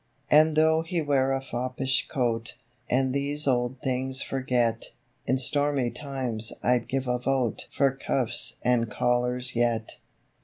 And though he wear a foppish coat, And these old things forget, In stormy times I'd give a vote For Cuffs and Collars yet.